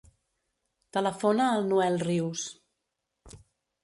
Telefona al Noel Rius.